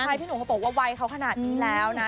ใช่พี่หนุ่มเขาบอกว่าวัยเขาขนาดนี้แล้วนะ